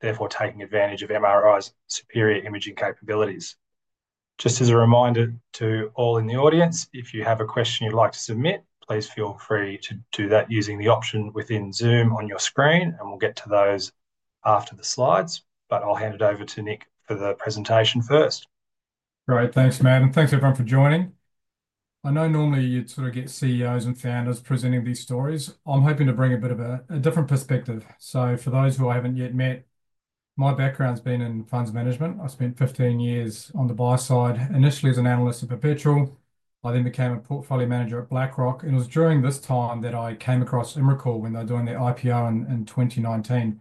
Therefore, taking advantage of MRI's superior imaging capabilities. Just as a reminder to all in the audience, if you have a question you'd like to submit, please feel free to do that using the option within Zoom on your screen, and we'll get to those after the slides. I will hand it over to Nick for the presentation first. Great. Thanks, Matt. Thanks, everyone, for joining. I know normally you'd sort of get CEOs and founders presenting these stories. I'm hoping to bring a bit of a different perspective. For those who I haven't yet met, my background's been in funds management. I spent 15 years on the buy side, initially as an analyst at Perpetual. I then became a portfolio manager at BlackRock. It was during this time that I came across Imricor when they were doing their IPO in 2019.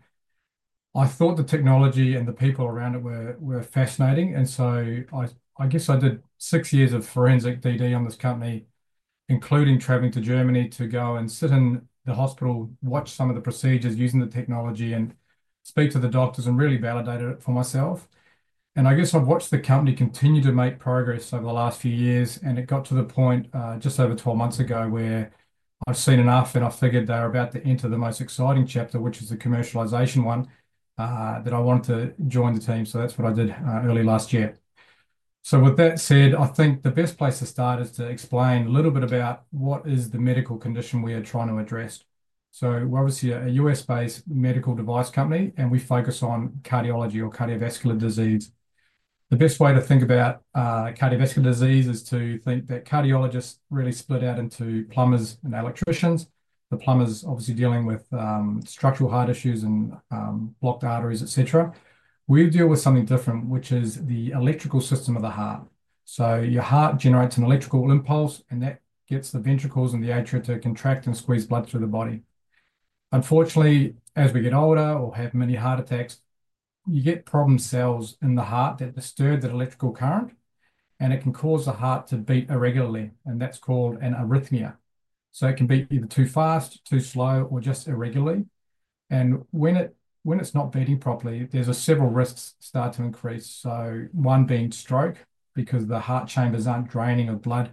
I thought the technology and the people around it were fascinating. I guess I did six years of forensic DD on this company, including traveling to Germany to go and sit in the hospital, watch some of the procedures using the technology, and speak to the doctors, and really validate it for myself. I guess I've watched the company continue to make progress over the last few years. It got to the point just over 12 months ago where I've seen enough, and I figured they're about to enter the most exciting chapter, which is the commercialization one, that I wanted to join the team. That's what I did early last year. With that said, I think the best place to start is to explain a little bit about what is the medical condition we are trying to address. We're obviously a U.S.-based medical device company, and we focus on cardiology or cardiovascular disease. The best way to think about cardiovascular disease is to think that cardiologists really split out into plumbers and electricians. The plumbers are obviously dealing with structural heart issues and blocked arteries, et cetera. We deal with something different, which is the electrical system of the heart. Your heart generates an electrical impulse, and that gets the ventricles and the atria to contract and squeeze blood through the body. Unfortunately, as we get older or have many heart attacks, you get problem cells in the heart that disturb that electrical current, and it can cause the heart to beat irregularly. That's called an arrhythmia. It can beat either too fast, too slow, or just irregularly. When it's not beating properly, there are several risks that start to increase. One being stroke because the heart chambers aren't draining of blood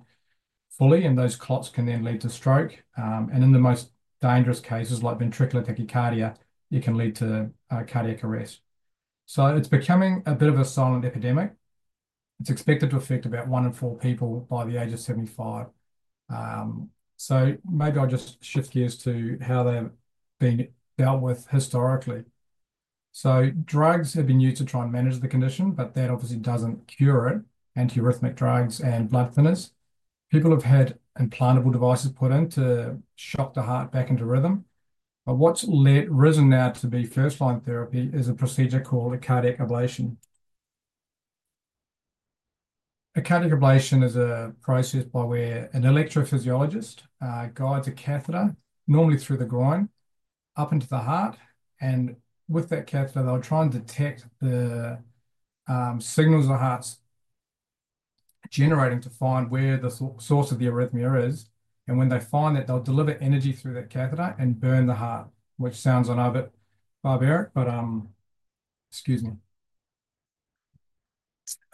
fully, and those clots can then lead to stroke. In the most dangerous cases, like ventricular tachycardia, it can lead to cardiac arrest. It's becoming a bit of a silent epidemic. It's expected to affect about one in four people by the age of 75. Maybe I'll just shift gears to how they've been dealt with historically. Drugs have been used to try and manage the condition, but that obviously doesn't cure it. Antiarrhythmic drugs and blood thinners. People have had implantable devices put in to shock the heart back into rhythm. What's risen now to be first-line therapy is a procedure called a cardiac ablation. A cardiac ablation is a process by where an electrophysiologist guides a catheter, normally through the groin, up into the heart. With that catheter, they'll try and detect the signals the heart's generating to find where the source of the arrhythmia is. When they find that, they'll deliver energy through that catheter and burn the heart, which sounds a bit barbaric, but excuse me.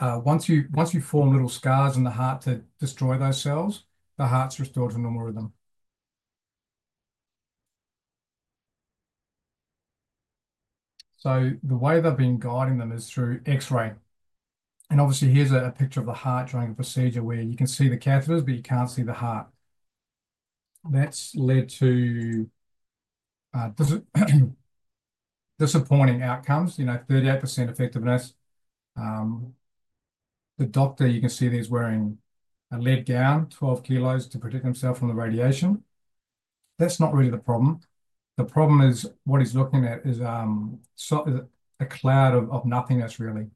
Once you form little scars in the heart to destroy those cells, the heart's restored to normal rhythm. The way they've been guiding them is through X-ray. Obviously, here's a picture of the heart during a procedure where you can see the catheters, but you can't see the heart. That's led to disappointing outcomes, 38% effectiveness. The doctor, you can see, is wearing a lead gown, 12 kilos to protect himself from the radiation. That's not really the problem. The problem is what he's looking at is a cloud of nothingness, really.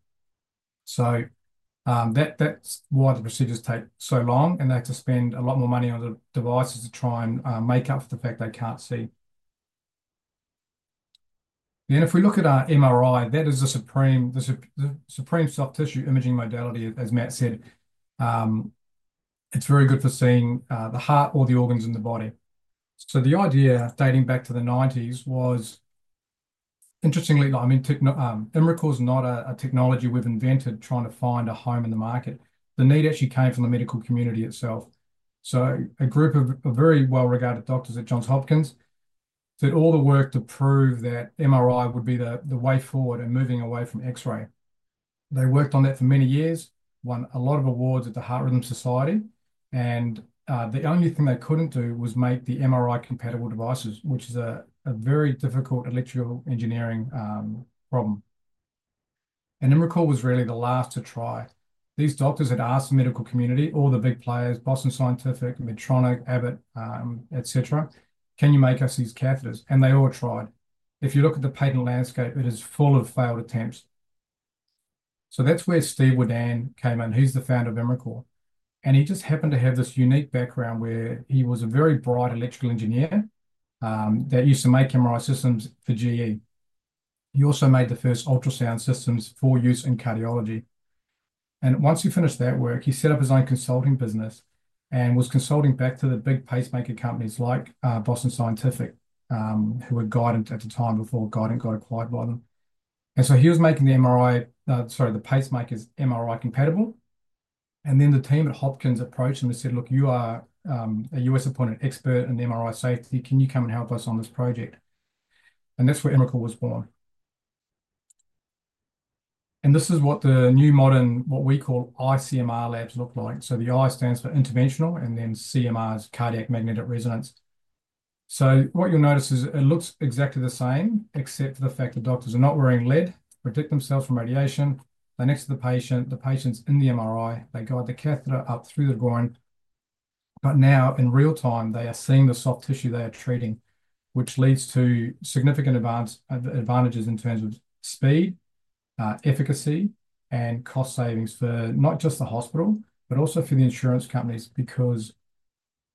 That's why the procedures take so long, and they have to spend a lot more money on the devices to try and make up for the fact they can't see. If we look at our MRI, that is the supreme soft tissue imaging modality, as Matt said. It's very good for seeing the heart or the organs in the body. The idea dating back to the 1990s was, interestingly, I mean, Imricor's not a technology we've invented trying to find a home in the market. The need actually came from the medical community itself. A group of very well-regarded doctors at Johns Hopkins did all the work to prove that MRI would be the way forward and moving away from X-ray. They worked on that for many years, won a lot of awards at the Heart Rhythm Society. The only thing they couldn't do was make the MRI-compatible devices, which is a very difficult electrical engineering problem. Imricor was really the last to try. These doctors had asked the medical community, all the big players, Boston Scientific, Medtronic, Abbott, et cetera, "Can you make us these catheters?" They all tried. If you look at the patent landscape, it is full of failed attempts. That is where Steve Wedan came in. He is the founder of Imricor. He just happened to have this unique background where he was a very bright electrical engineer that used to make MRI systems for GE. He also made the first ultrasound systems for use in cardiology. Once he finished that work, he set up his own consulting business and was consulting back to the big pacemaker companies like Boston Scientific, who were Guidant at the time before Guidant got acquired by them. He was making the pacemakers MRI-compatible. The team at Hopkins approached him and said, "Look, you are a U.S.-appointed expert in MRI safety. Can you come and help us on this project?" That is where Imricor was born. This is what the new modern, what we call iCMR labs look like. The I stands for interventional, and then CMR is cardiac magnetic resonance. What you'll notice is it looks exactly the same, except for the fact that doctors are not wearing lead to protect themselves from radiation. They're next to the patient. The patient's in the MRI. They guide the catheter up through the groin. Now, in real time, they are seeing the soft tissue they are treating, which leads to significant advantages in terms of speed, efficacy, and cost savings for not just the hospital, but also for the insurance companies. Because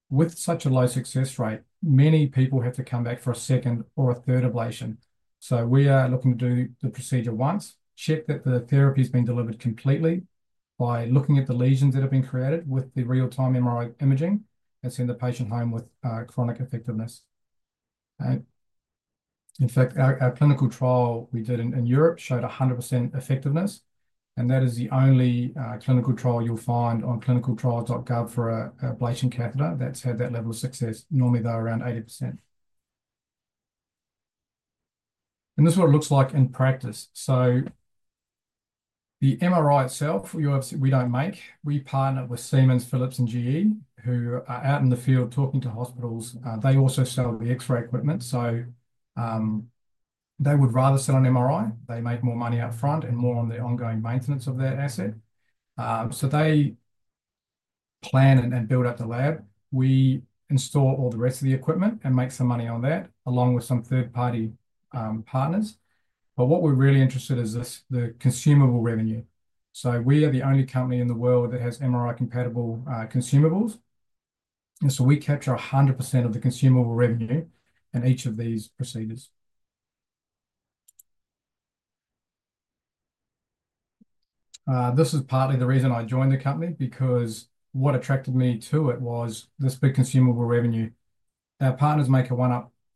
with such a low success rate, many people have to come back for a second or a third ablation. We are looking to do the procedure once, check that the therapy has been delivered completely by looking at the lesions that have been created with the real-time MRI imaging, and send the patient home with chronic effectiveness. In fact, our clinical trial we did in Europe showed 100% effectiveness. That is the only clinical trial you'll find on clinicaltrials.gov for an ablation catheter that's had that level of success. Normally, they're around 80%. This is what it looks like in practice. The MRI itself, we don't make. We partner with Siemens, Philips, and GE, who are out in the field talking to hospitals. They also sell the X-ray equipment. They would rather sell an MRI. They make more money upfront and more on the ongoing maintenance of their asset. They plan and build up the lab. We install all the rest of the equipment and make some money on that along with some third-party partners. What we're really interested in is the consumable revenue. We are the only company in the world that has MRI-compatible consumables, and we capture 100% of the consumable revenue in each of these procedures. This is partly the reason I joined the company because what attracted me to it was this big consumable revenue. Our partners make an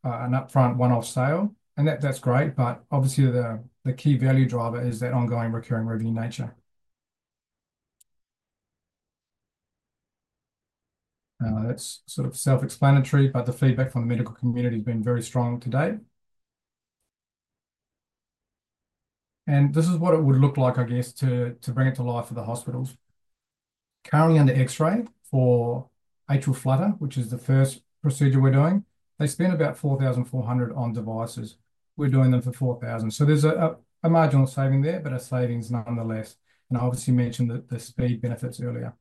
upfront one-off sale, and that's great. Obviously, the key value driver is that ongoing recurring revenue nature. That's sort of self-explanatory, but the feedback from the medical community has been very strong to date. This is what it would look like, I guess, to bring it to life for the hospitals. Currently under X-ray for atrial flutter, which is the first procedure we're doing, they spend about $4,400 on devices. We're doing them for $4,000. There is a marginal saving there, but a savings nonetheless. I obviously mentioned the speed benefits earlier.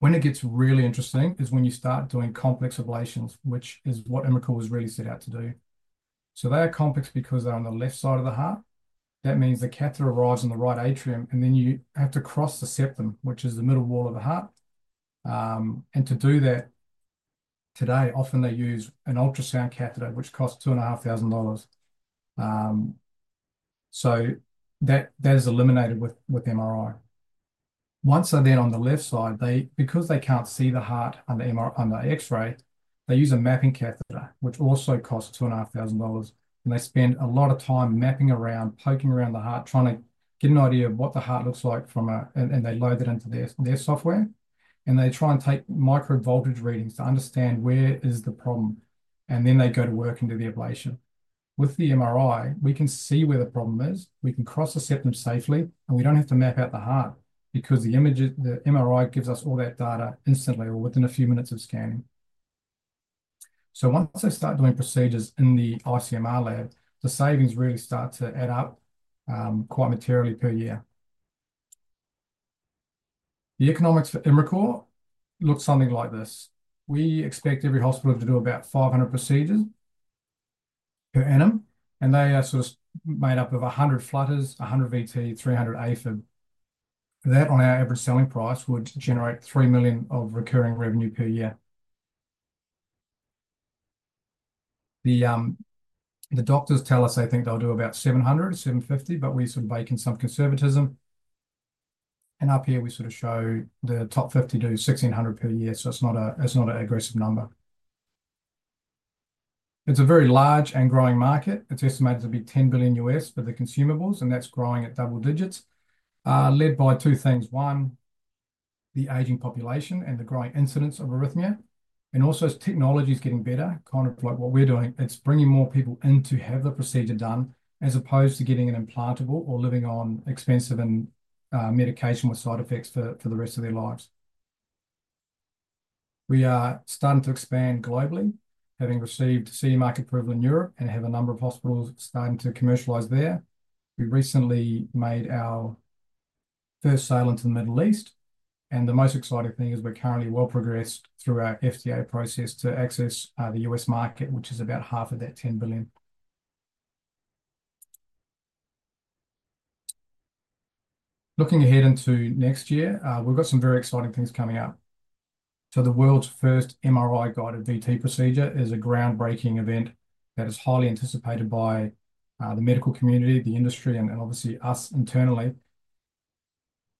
When it gets really interesting is when you start doing complex ablations, which is what Imricor was really set out to do. They are complex because they're on the left side of the heart. That means the catheter arrives in the right atrium, and then you have to cross the septum, which is the middle wall of the heart. To do that today, often they use an ultrasound catheter, which costs $2,500. That is eliminated with MRI. Once they're then on the left side, because they can't see the heart under X-ray, they use a mapping catheter, which also costs $2,500. They spend a lot of time mapping around, poking around the heart, trying to get an idea of what the heart looks like from a, and they load that into their software. They try and take micro-voltage readings to understand where is the problem. They go to work and do the ablation. With the MRI, we can see where the problem is. We can cross the septum safely, and we do not have to map out the heart because the MRI gives us all that data instantly or within a few minutes of scanning. Once they start doing procedures in the iCMR lab, the savings really start to add up quite materially per year. The economics for Imricor looks something like this. We expect every hospital to do about 500 procedures per annum. They are sort of made up of 100 flutters, 100 VT, 300 AFib. That on our average selling price would generate $3 million of recurring revenue per year. The doctors tell us they think they'll do about 700-750, but we sort of bake in some conservatism. Up here, we sort of show the top 50 do 1,600 per year. It's not an aggressive number. It's a very large and growing market. It's estimated to be $10 billion U.S. for the consumables, and that's growing at double digits, led by two things. One, the aging population and the growing incidence of arrhythmia. Also, technology is getting better. Kind of like what we're doing, it's bringing more people in to have the procedure done as opposed to getting an implantable or living on expensive medication with side effects for the rest of their lives. We are starting to expand globally, having received CE mark approval in Europe and have a number of hospitals starting to commercialize there. We recently made our first sale into the Middle East. The most exciting thing is we're currently well progressed through our FDA process to access the U.S. market, which is about half of that $10 billion. Looking ahead into next year, we've got some very exciting things coming up. The world's first MRI-guided VT procedure is a groundbreaking event that is highly anticipated by the medical community, the industry, and obviously us internally.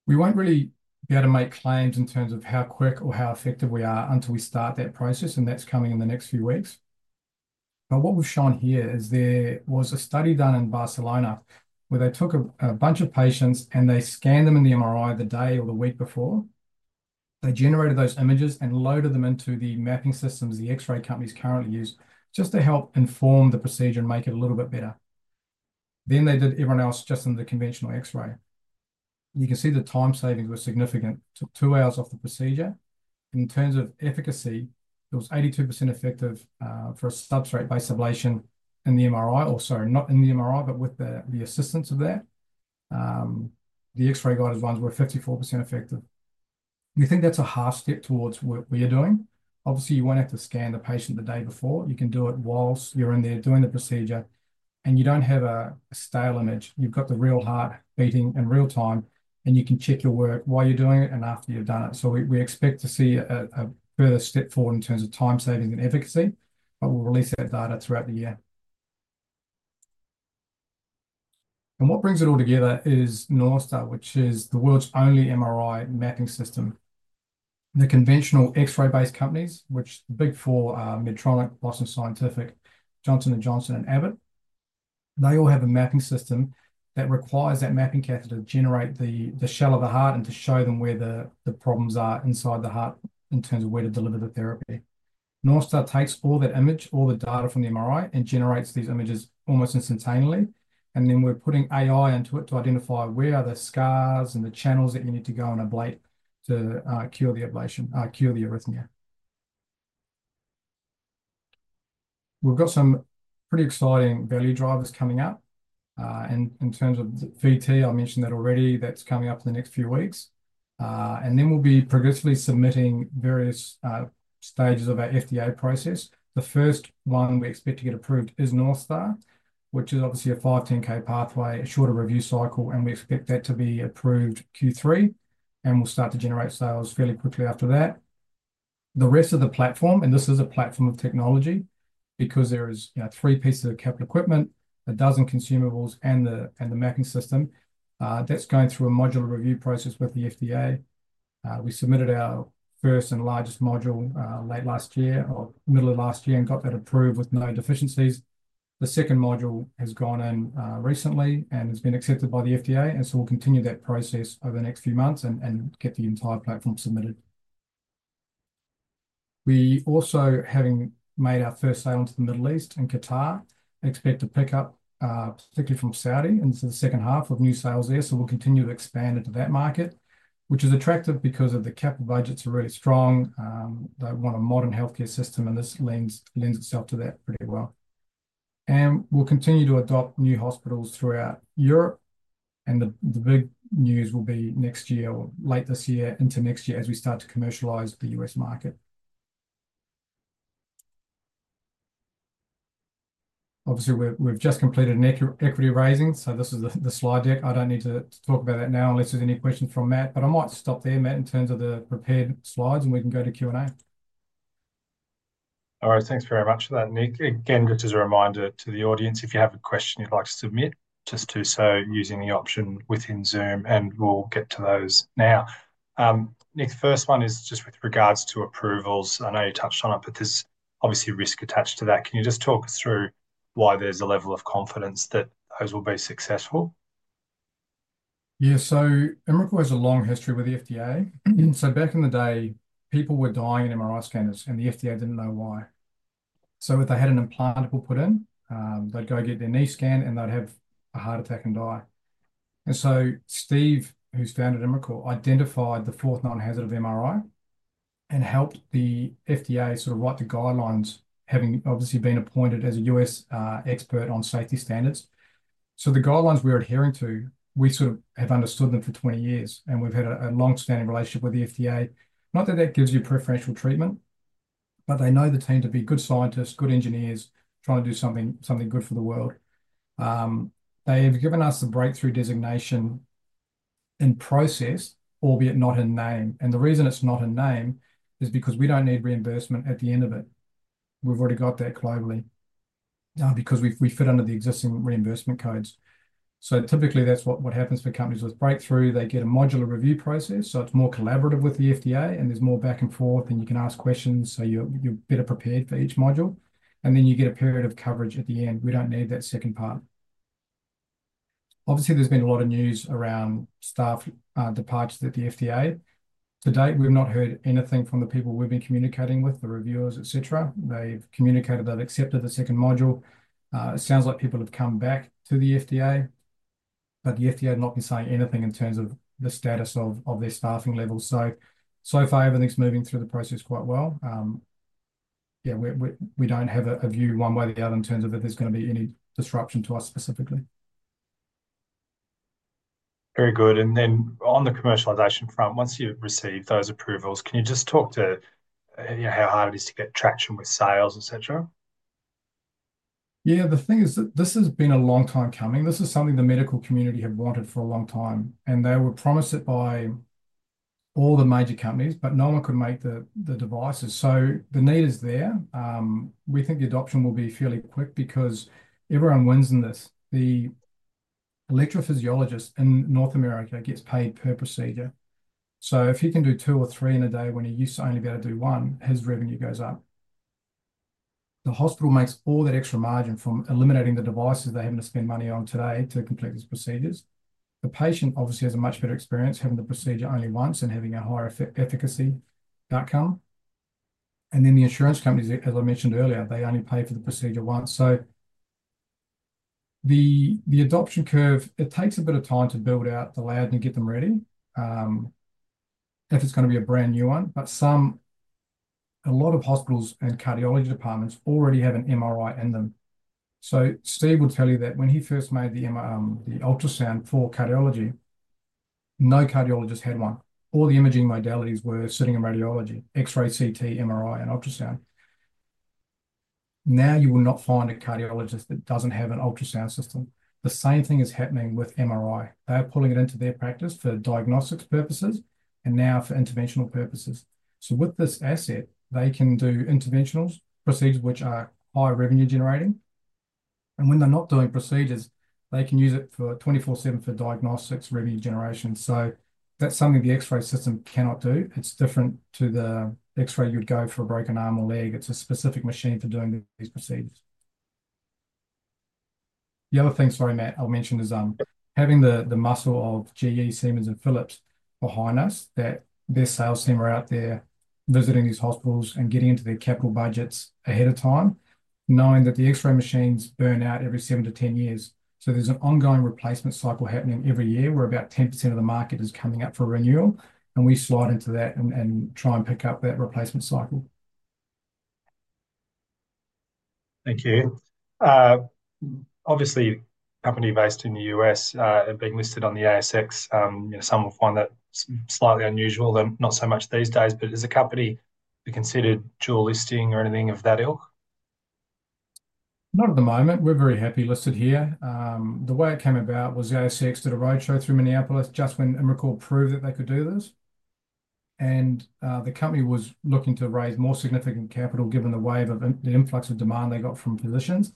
We won't really be able to make claims in terms of how quick or how effective we are until we start that process, and that's coming in the next few weeks. What we've shown here is there was a study done in Barcelona where they took a bunch of patients and they scanned them in the MRI the day or the week before. They generated those images and loaded them into the mapping systems the X-ray companies currently use just to help inform the procedure and make it a little bit better. They did everyone else just in the conventional X-ray. You can see the time savings were significant, took two hours off the procedure. In terms of efficacy, it was 82% effective for a substrate-based ablation in the MRI, or sorry, not in the MRI, but with the assistance of that. The X-ray-guided ones were 54% effective. We think that's a half step towards what we are doing. Obviously, you won't have to scan the patient the day before. You can do it whilst you're in there doing the procedure, and you don't have a stale image. You've got the real heart beating in real time, and you can check your work while you're doing it and after you've done it. We expect to see a further step forward in terms of time savings and efficacy, but we'll release that data throughout the year. What brings it all together is NorthStar, which is the world's only MRI mapping system. The conventional X-ray-based companies, which are the big four, Medtronic, Boston Scientific, Johnson & Johnson, and Abbott, all have a mapping system that requires that mapping catheter to generate the shell of the heart and to show them where the problems are inside the heart in terms of where to deliver the therapy. NorthStar takes all that image, all the data from the MRI, and generates these images almost instantaneously. We are putting AI into it to identify where are the scars and the channels that you need to go and ablate to cure the arrhythmia. We have some pretty exciting value drivers coming up. In terms of VT, I mentioned that already, that is coming up in the next few weeks. We will be progressively submitting various stages of our FDA process. The first one we expect to get approved is NorthStar, which is obviously a 510(k) pathway, a shorter review cycle, and we expect that to be approved Q3. We will start to generate sales fairly quickly after that. The rest of the platform, and this is a platform of technology because there are three pieces of capital equipment, a dozen consumables, and the mapping system that's going through a modular review process with the FDA. We submitted our first and largest module late last year or middle of last year and got that approved with no deficiencies. The second module has gone in recently and has been accepted by the FDA. We will continue that process over the next few months and get the entire platform submitted. We also have made our first sale into the Middle East and Qatar, expect to pick up particularly from Saudi, and this is the second half of new sales there. We will continue to expand into that market, which is attractive because the capital budgets are really strong. They want a modern healthcare system, and this lends itself to that pretty well. We'll continue to adopt new hospitals throughout Europe. The big news will be next year or late this year into next year as we start to commercialize the U.S. market. Obviously, we've just completed an equity raising. This is the slide deck. I don't need to talk about that now unless there's any questions from Matt. I might stop there, Matt, in terms of the prepared slides, and we can go to Q&A. All right. Thanks very much for that, Nick. Again, just as a reminder to the audience, if you have a question you'd like to submit, just do so using the option within Zoom, and we'll get to those now. Nick, the first one is just with regards to approvals. I know you touched on it, but there's obviously risk attached to that. Can you just talk us through why there's a level of confidence that those will be successful? Yeah. Imricor has a long history with the FDA. Back in the day, people were dying in MRI scans, and the FDA didn't know why. If they had an implantable put in, they'd go get their knee scanned, and they'd have a heart attack and die. Steve, who's founded Imricor, identified the fourth known hazard of MRI and helped the FDA sort of write the guidelines, having obviously been appointed as a U.S. expert on safety standards. The guidelines we're adhering to, we sort of have understood them for 20 years, and we've had a long-standing relationship with the FDA. Not that that gives you preferential treatment, but they know the team to be good scientists, good engineers trying to do something good for the world. They have given us the breakthrough designation in process, albeit not in name. The reason it's not in name is because we don't need reimbursement at the end of it. We've already got that globally because we fit under the existing reimbursement codes. Typically, that's what happens for companies with breakthrough. They get a modular review process. It's more collaborative with the FDA, and there's more back and forth, and you can ask questions. You're better prepared for each module. You get a period of coverage at the end. We don't need that second part. Obviously, there's been a lot of news around staff departure at the FDA. To date, we've not heard anything from the people we've been communicating with, the reviewers, et cetera. They've communicated they've accepted the second module. It sounds like people have come back to the FDA, but the FDA has not been saying anything in terms of the status of their staffing level. So far, everything's moving through the process quite well. Yeah, we don't have a view one way or the other in terms of if there's going to be any disruption to us specifically. Very good. And then on the commercialization front, once you've received those approvals, can you just talk to how hard it is to get traction with sales, et cetera? Yeah, the thing is that this has been a long time coming. This is something the medical community have wanted for a long time. They were promised it by all the major companies, but no one could make the devices. The need is there. We think the adoption will be fairly quick because everyone wins in this. The electrophysiologist in North America gets paid per procedure. If he can do two or three in a day when he used to only be able to do one, his revenue goes up. The hospital makes all that extra margin from eliminating the devices they have to spend money on today to complete these procedures. The patient obviously has a much better experience having the procedure only once and having a higher efficacy outcome. The insurance companies, as I mentioned earlier, only pay for the procedure once. The adoption curve, it takes a bit of time to build out the lab and get them ready if it's going to be a brand new one. A lot of hospitals and cardiology departments already have an MRI in them. Steve would tell you that when he first made the ultrasound for cardiology, no cardiologist had one. All the imaging modalities were sitting in radiology: X-ray, CT, MRI, and ultrasound. Now you will not find a cardiologist that doesn't have an ultrasound system. The same thing is happening with MRI. They're pulling it into their practice for diagnostic purposes and now for interventional purposes. With this asset, they can do interventional procedures, which are high revenue generating. When they're not doing procedures, they can use it 24/7 for diagnostics revenue generation. That's something the X-ray system cannot do. It's different to the X-ray you'd go for a broken arm or leg. It's a specific machine for doing these procedures. The other thing, sorry, Matt, I'll mention is having the muscle of GE, Siemens, and Philips behind us, that their sales team are out there visiting these hospitals and getting into their capital budgets ahead of time, knowing that the X-ray machines burn out every 7-10 years. There's an ongoing replacement cycle happening every year where about 10% of the market is coming up for renewal, and we slide into that and try and pick up that replacement cycle. Thank you. Obviously, company-based in the U.S. and being listed on the ASX, some will find that slightly unusual. Not so much these days, but as a company, you're considered dual listing or anything of that ilk? Not at the moment. We're very happy listed here. The way it came about was the ASX did a roadshow through Minneapolis just when Imricor proved that they could do this. The company was looking to raise more significant capital given the wave of the influx of demand they got from positions.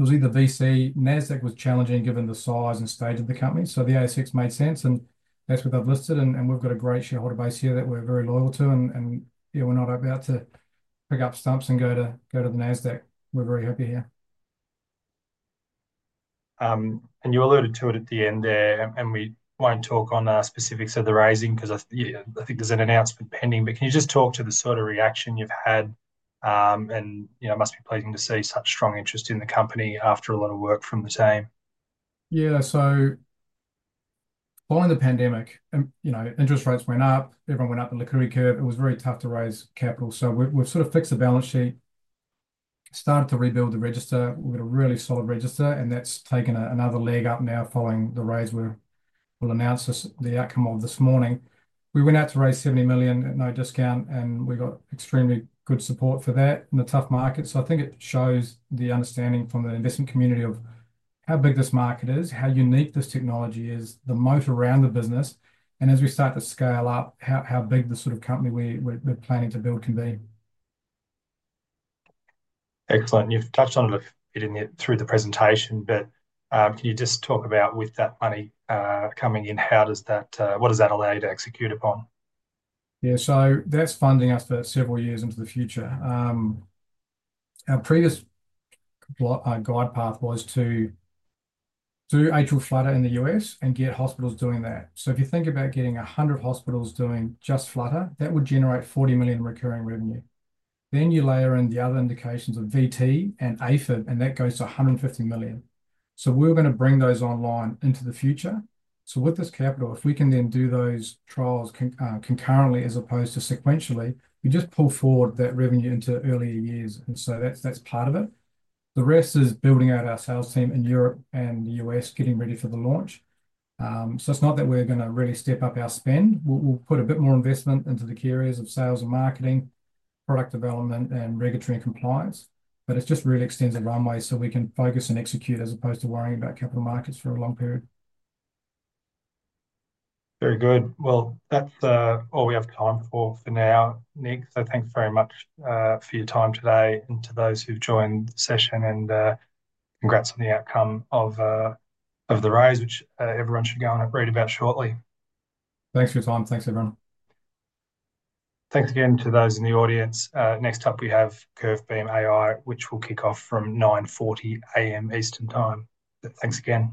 It was either VC, Nasdaq was challenging given the size and stage of the company. The ASX made sense, and that's what they've listed. We've got a great shareholder base here that we're very loyal to. Yeah, we're not about to pick up stumps and go to the Nasdaq. We're very happy here. You alluded to it at the end there, and we won't talk on specifics of the raising because I think there's an announcement pending. Can you just talk to the sort of reaction you've had? It must be pleasing to see such strong interest in the company after a lot of work from the team. Yeah. Following the pandemic, interest rates went up. Everyone went up the liquidity curve. It was very tough to raise capital. We have sort of fixed the balance sheet, started to rebuild the register. We have got a really solid register, and that has taken another leg up now following the raise we will announce the outcome of this morning. We went out to raise $70 million at no discount, and we got extremely good support for that in a tough market. I think it shows the understanding from the investment community of how big this market is, how unique this technology is, the moat around the business, and as we start to scale up, how big the sort of company we are planning to build can be. Excellent. You've touched on it a bit through the presentation, but can you just talk about with that money coming in, how does that, what does that allow you to execute upon? Yeah. That's funding us for several years into the future. Our previous glide path was to do atrial flutter in the U.S. and get hospitals doing that. If you think about getting 100 hospitals doing just Flutter, that would generate $40 million recurring revenue. Then you layer in the other indications of VT and AFib, and that goes to $150 million. We're going to bring those online into the future. With this capital, if we can then do those trials concurrently as opposed to sequentially, we just pull forward that revenue into earlier years. That's part of it. The rest is building out our sales team in Europe and the U.S., getting ready for the launch. It is not that we are going to really step up our spend. We will put a bit more investment into the key areas of sales and marketing, product development, and regulatory compliance. It just really extends the runway so we can focus and execute as opposed to worrying about capital markets for a long period. Very good. That is all we have time for for now, Nick. Thanks very much for your time today and to those who have joined the session and congrats on the outcome of the raise, which everyone should go and read about shortly. Thanks for your time. Thanks, everyone. Thanks again to those in the audience. Next up, we have CurveBeam AI, which will kick off from 9:40 A.M. Eastern Time. Thanks again.